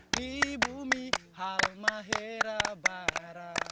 di bumi hal mahera barang